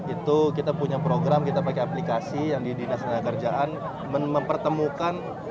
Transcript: itu kita punya program kita pakai aplikasi yang di dinas tenaga kerjaan mempertemukan